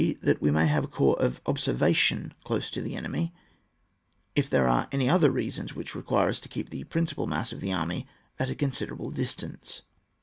That we may have a corps of ob servation close to the enemy, if there are any other reasons which require us to keep the principal mass of the army at a considerable distance.